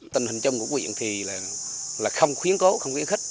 tình hình trong của huyện thì là không khuyến cố không khuyến khích